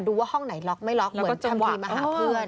ว่าห้องไหนล็อกไม่ล็อกเหมือนทำทีมาหาเพื่อน